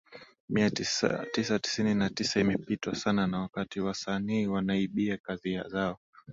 mia tisa tisini na tisa imeipitwa sana na wakati wasanii wanaibia kazi zao